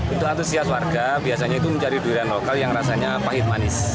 untuk antusias warga biasanya itu mencari durian lokal yang rasanya pahit manis